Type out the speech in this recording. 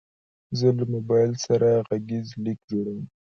زه له موبایل سره غږیز لیک جوړوم.